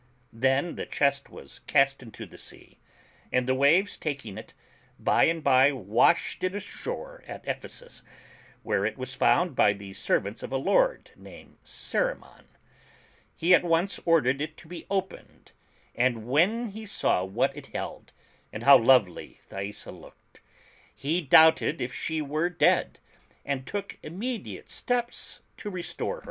Then the chest was cast into the sea, and the waves taking it, by and by washed it ashore at Ephesus, where it was found by the ser vants of a lord named Cerimon. He at once ordered it to be opened, and when he saw what it held, and how lovely Thaisa looked, he doubted if she were dead, and took immediate steps to restore her.